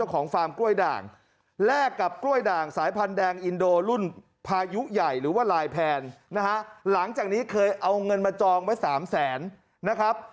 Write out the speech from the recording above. ฟาร์มกล้วยด่างแลกกับกล้วยด่างสายพันธแดงอินโดรุ่นพายุใหญ่หรือว่าลายแพนนะฮะหลังจากนี้เคยเอาเงินมาจองไว้สามแสนนะครับ